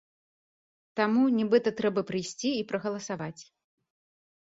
Таму, нібыта, трэба прыйсці і прагаласаваць.